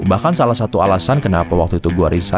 bahkan salah satu alasan kenapa waktu itu gue risah